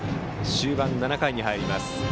終盤、７回に入ります。